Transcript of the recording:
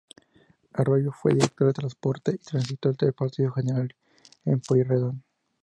Arroyo fue Director de Transporte y Tránsito del Partido de General Pueyrredón.